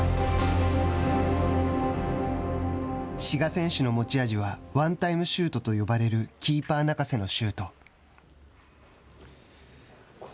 志賀選手の持ち味はワンタイムシュートと呼ばれるキーパー泣かせのシュート。